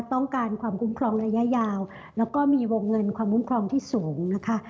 ต้องการความคุ้มครองระยะยาวแล้วก็มีวงเงินความคุ้มครองที่สูงนะคะ